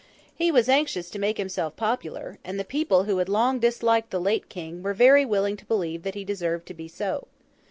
He was anxious to make himself popular; and the people, who had long disliked the late King, were very willing to believe that he deserved to be so.